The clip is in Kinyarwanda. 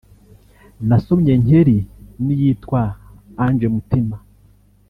Nasomye Nkeri n’iyitwa Ange Mutima